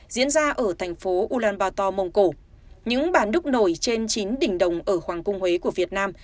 diễn ra ở thành phố ulaanbaator mông cổ những bản đúc nổi trên chín đỉnh đồng ở hoàng cung huế của việt nam